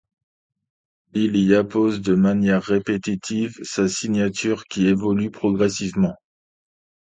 Il y appose de manière répétitive sa signature, qui évolue progressivement.